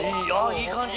いい感じ。